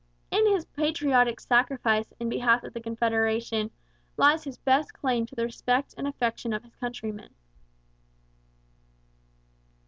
In his patriotic sacrifice in behalf of Confederation lies his best claim to the respect and affection of his countrymen.